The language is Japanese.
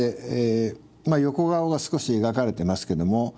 まあ横顔が少し描かれてますけども。